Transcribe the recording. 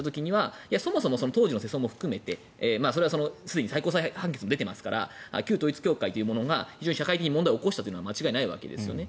そもそも当時の世相も含めてすでに最高裁判決も出ていますから、旧統一教会が社会的に問題を起こしたことは間違いないわけですよね。